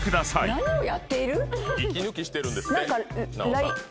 何をやっている⁉息抜きしてるんですって。